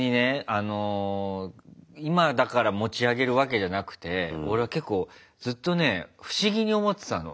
あの今だから持ち上げるわけじゃなくて俺は結構ずっとね不思議に思ってたの。